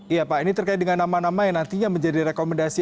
iya pak ini terkait dengan nama nama yang nantinya menjadi rekomendasi